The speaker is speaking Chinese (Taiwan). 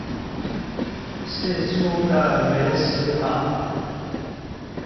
釋出的原始碼